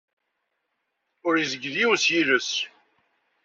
Ur yezgil yiwen s yiles-is.